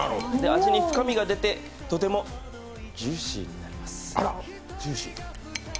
味に深みが出て、とてもＪＵＩＣＹになります。